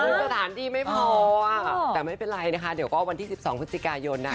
คือสถานที่ไม่พอแต่ไม่เป็นไรนะคะเดี๋ยวก็วันที่๑๒พฤศจิกายนนะคะ